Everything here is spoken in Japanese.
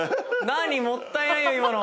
何もったいない今の。